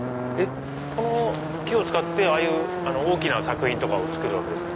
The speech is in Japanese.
この木を使ってああいう大きな作品とかを作るんですか？